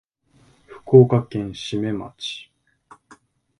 福岡県志免町